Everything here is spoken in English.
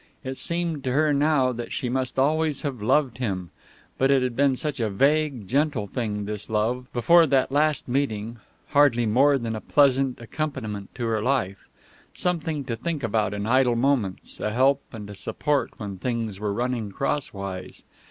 It seemed to her now that she must always have loved him, but it had been such a vague, gentle thing, this love, before that last meeting hardly more than a pleasant accompaniment to her life, something to think about in idle moments, a help and a support when things were running crosswise.